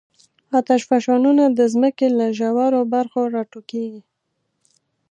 آتشفشانونه د ځمکې له ژورو برخو راټوکېږي.